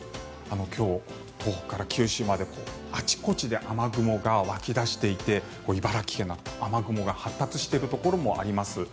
今日、東北から九州まであちこちで雨雲が湧き出していて茨城県も、雨雲が発達しているところもあります。